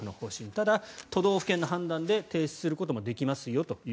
ただ、都道府県の判断で停止することもできますよと。